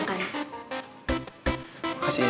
ganti baju ya